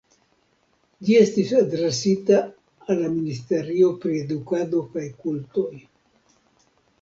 Ĝi estis adresita al la ministerio pri edukado kaj kultoj.